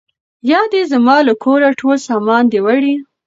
یا دي زما له کوره ټول سامان دی وړی